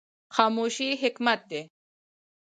خاموشي حکمت دی